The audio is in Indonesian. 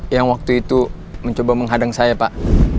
yang waktu itu mencoba menghadang saya pak